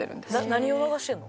何を流してるの？